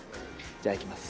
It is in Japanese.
じゃあいきます。